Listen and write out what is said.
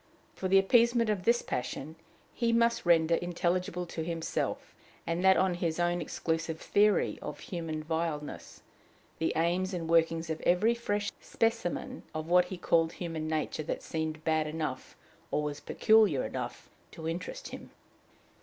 For the appeasement of this passion, he must render intelligible to himself, and that on his own exclusive theory of human vileness, the aims and workings of every fresh specimen of what he called human nature that seemed bad enough, or was peculiar enough to interest him.